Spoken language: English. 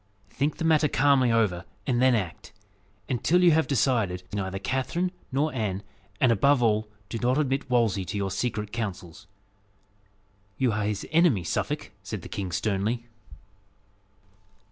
Think the matter calmly over, and then act. And till you have decided, see neither Catherine nor Anne; and, above all, do not admit Wolsey to your secret counsels." "You are his enemy, Suffolk," said the king sternly.